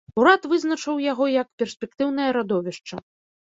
Урад вызначыў яго як перспектыўнае радовішча.